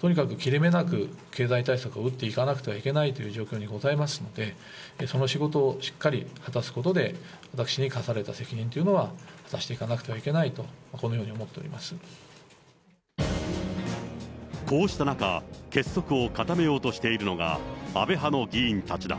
とにかく切れ目なく、経済対策を打っていかなくてはいけないという状況にございますので、その仕事をしっかり果たすことで、私に課された責任というのを果たしていかなくてはいけないと、ここうした中、結束を固めようとしているのが、安倍派の議員たちだ。